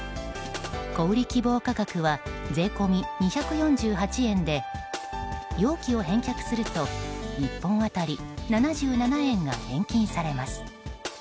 小売希望価格は税込み２４８円で容器を返却すると１本当たり７７円が返金されます。